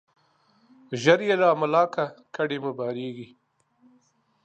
ژر يې را ملا که ، کډي مو بارېږي.